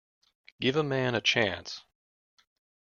Give a man a chance.